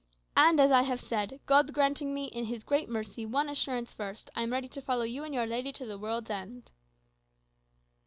And, as I have said, God granting me, in his great mercy, one assurance first, I am ready to follow you and your lady to the world's end."